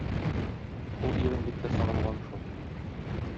Ул ирен бик тә сагынган шул.